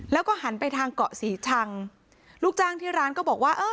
แล้วก็หันไปทางเกาะศรีชังลูกจ้างที่ร้านก็บอกว่าเออ